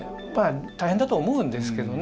大変だと思うんですけれどもね。